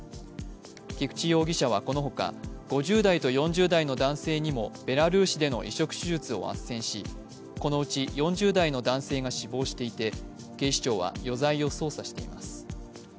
菊池容疑者は、このほか５０代と４０代の男性にもベラルーシでの移植手術をあっせんし、このうち４０代の男性が死亡していて警視庁は余罪を捜査しています。